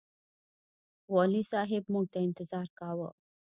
والي صاحب موږ ته انتظار کاوه.